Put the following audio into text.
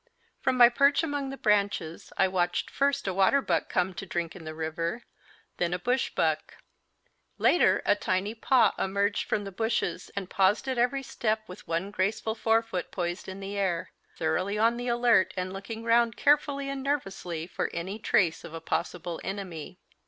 From my perch among the branches I watched first a water buck come to drink in the river; then a bush buck; later, a tiny paa emerged from the bushes and paused at every step with one graceful forefoot poised in the air thoroughly on the alert and looking round carefully and nervously for any trace of a possible enemy.